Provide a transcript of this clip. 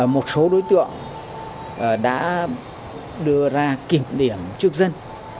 một số đối tượng đã đưa ra kiểm điểm trước dân